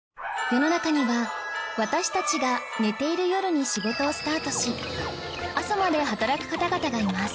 世の中には私たちが寝ている夜に仕事をスタートし朝まで働く方々がいます